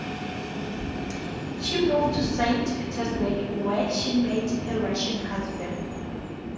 She moved to Saint Petersburg where she met her Russian husband.